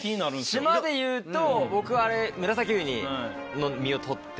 島でいうと僕あれ。